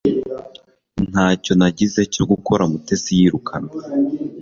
Ntacyo nagize cyo gukora Mutesi yirukanwa